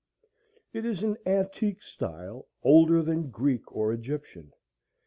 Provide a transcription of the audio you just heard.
It is an antique style older than Greek or Egyptian.